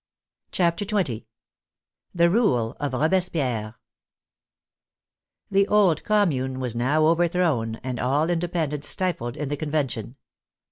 CHAPTER XX THE RULE OF ROBESPIERRE ii The old Commune was now overthrown, and all inde pendence stifled in the Convention.